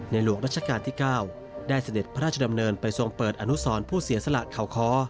หลวงรัชกาลที่๙ได้เสด็จพระราชดำเนินไปทรงเปิดอนุสรผู้เสียสละเขาคอ